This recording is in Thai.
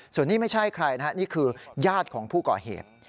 ส่วนนี้ไม่ใช่ใครนะฮะนี่คือญาติของผู้ก่อเหตุ